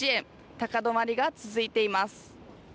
高止まりが続いています。